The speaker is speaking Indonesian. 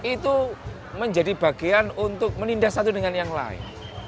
itu menjadi bagian untuk meninda satu dengan yang lain